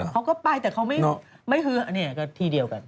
เขาก็ไปแต่เขาไม่เฮืออันนี้ก็ที่เดียวกัน